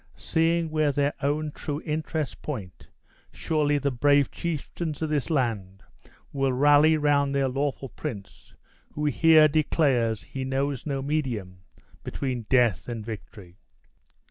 Seeing where their own true interests point, surely the brave chieftains of this land will rally round their lawful prince, who here declares he knows no medium between death and victory!"